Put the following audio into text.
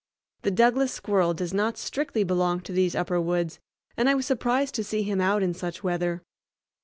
The Douglas squirrel does not strictly belong to these upper woods, and I was surprised to see him out in such weather.